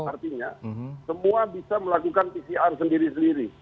artinya semua bisa melakukan pcr sendiri sendiri